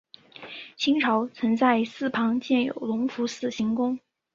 清朝曾在寺旁建有隆福寺行宫。